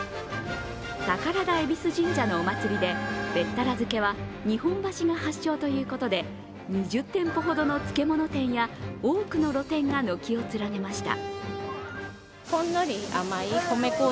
宝田恵比寿神社のお祭りで、べったら漬けは日本橋が発祥ということで２０店舗ほどの漬物店や多くの露店が軒を連ねました。